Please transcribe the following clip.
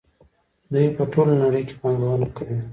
دوی په ټوله نړۍ کې پانګونه کوي.